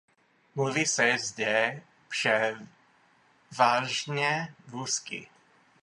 Mluví se zde převážně rusky.